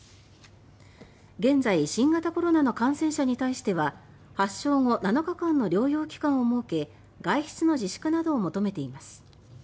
現在、新型コロナの感染者に対しては発症後７日間の療養期間を設け外出の自粛などを求めています。